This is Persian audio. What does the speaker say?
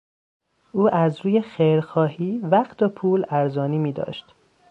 او از روی خیرخواهی وقت و پول ارزانی میداشت.